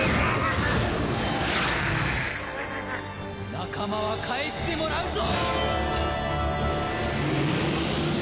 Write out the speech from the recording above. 仲間は返してもらうぞ！